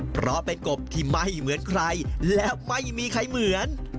เพราะเป็นกบที่ไม่เหมือนใครและไม่มีใครเหมือน